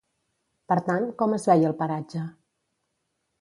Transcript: Per tant, com es veia el paratge?